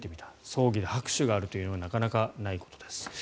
葬儀で拍手があるというのはなかなかないことです。